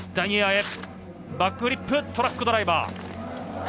バックフリップトラックドライバー。